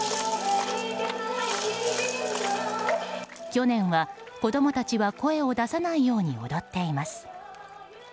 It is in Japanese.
去年は子供たちは声を出さないように踊っています。